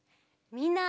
みんな！